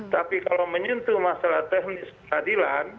tapi kalau menyentuh masalah teknis peradilan